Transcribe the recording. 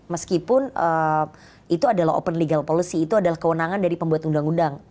meskipun itu adalah open legal policy itu adalah kewenangan dari pembuat undang undang